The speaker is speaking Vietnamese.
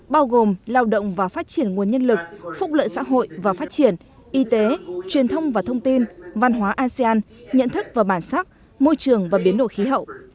bao gồm lao động và phát triển nguồn nhân lực phúc lợi xã hội và phát triển y tế truyền thông và thông tin văn hóa asean nhận thức và bản sắc môi trường và biến đổi khí hậu